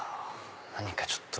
何かちょっと。